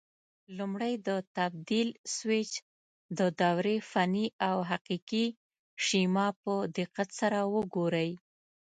لومړی د تبدیل سویچ د دورې فني او حقیقي شیما په دقت سره وګورئ.